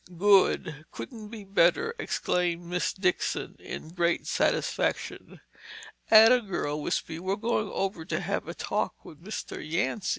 "Good. Couldn't be better!" exclaimed Miss Dixon in great satisfaction. "Atta girl, Wispy! We're going over to have a talk with Mr. Yancy."